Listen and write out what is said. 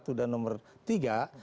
itu adalah yang seperti ini